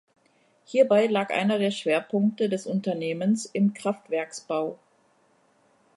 Hierbei lag einer der Schwerpunkte des Unternehmens im Kraftwerksbau.